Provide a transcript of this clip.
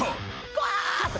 くわ！っと。